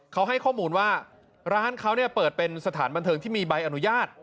เขาให้ข้อมูลว่าร้านเขาเปิดเป็นสถานบันเทิงที่มีใบอนุญาต